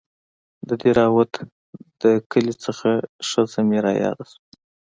د دهروات د کلي هغه ښځه مې راياده سوه.